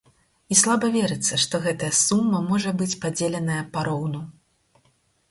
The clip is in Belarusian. І слаба верыцца, што гэтая сума можа быць падзеленая пароўну.